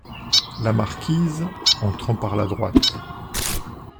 La Marquise , entrant par la droite.